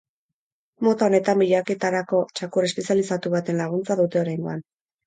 Mota honetan bilaketetarako txakur espezializatu baten laguntza dute oraingoan.